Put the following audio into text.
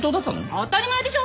当たり前でしょ。